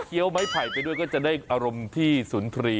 เคี้ยวไม้ไผ่ไปด้วยก็จะได้อารมณ์ที่ศุนิทรี